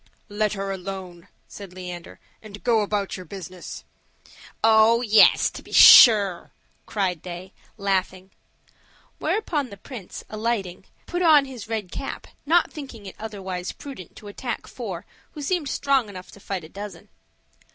"Let her alone," said Leander, "and go about your business." "Oh, yes, to be sure," cried they, laughing; whereupon the prince, alighting, put on his red cap, not thinking it otherwise prudent to attack four who seemed strong enough to fight a dozen.